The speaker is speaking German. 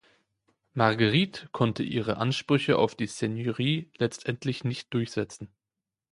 Marguerite konnte ihre Ansprüche auf die Seigneurie letztendlich nicht durchsetzen.